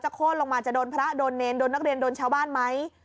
โค้นลงมาจะโดนพระโดนเนรโดนนักเรียนโดนชาวบ้านไหม